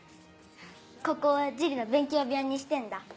ここは樹里の勉強部屋にしてんだ。